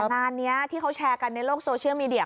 งานนี้ที่เขาแชร์กันในโลกโซเชียลมีเดีย